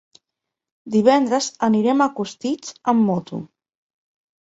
Divendres anirem a Costitx amb moto.